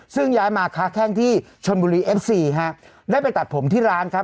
ซึ่งย้ายมาค้าแข้งที่ชนบุรีเอฟซีฮะได้ไปตัดผมที่ร้านครับ